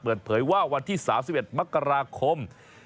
เปิดเผยว่าวันที่๓๑มกราคม